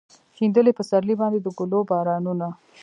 شیندلي پسرلي باندې د ګلو بارانونه